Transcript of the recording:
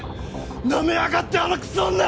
なめやがってあのクソ女！